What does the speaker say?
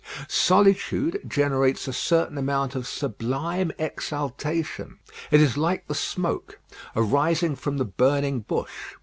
Solitude generates a certain amount of sublime exaltation. It is like the smoke arising from the burning bush.